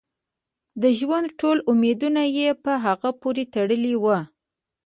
د ژوند ټول امیدونه یې په هغه پورې تړلي وو.